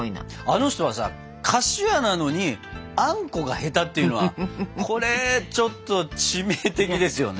あの人はさ菓子屋なのにあんこが下手っていうのはこれちょっと致命的ですよね。